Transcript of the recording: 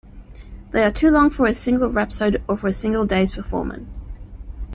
They are too long for a single rhapsode or for a single day's performance.